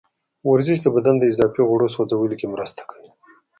ورزش د بدن د اضافي غوړو سوځولو کې مرسته کوي.